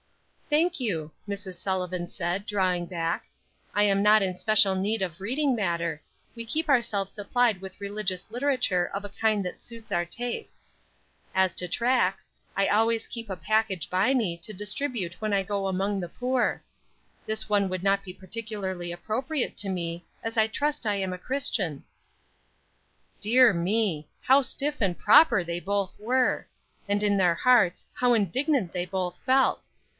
"Thank you," Mrs. Sullivan said, drawing back, "I am not in special need of reading matter; we keep ourselves supplied with religious literature of a kind that suits our tastes. As to tracts, I always keep a package by me to distribute when I go among the poor. This one would not be particularly appropriate to me, as I trust I am a Christian." Dear me! how stiff and proper they both were! And in their hearts how indignant they both felt.